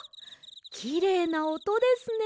きれいなおとですね。